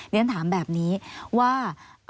นี่ถ้าถามแบบนี้ว่า